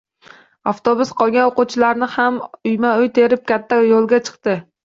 Avtobus qolgan o`quvchilarni ham uyma-uy terib, katta yo`lga chiqdi